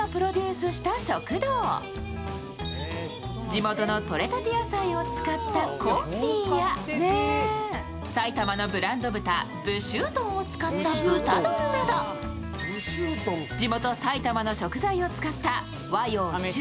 地元の採れたて野菜を使ったコンフィや埼玉のブランド豚武州豚を使った豚丼など地元埼玉の食材を使った和洋中